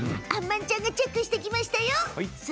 あんまんちゃんがチェックしてきましたよ。